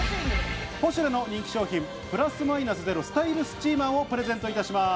ポシュレの人気商品「プラスマイナスゼロスタイルスチーマー」をプレゼントいたします。